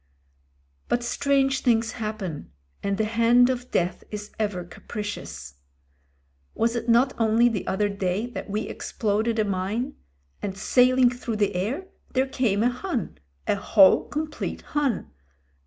But strange things happen, and the hand of Death is ever capricious. Was it not only the other day that we exploded a mine, and sailing through the air there came a Hun — ^a whole complete Him.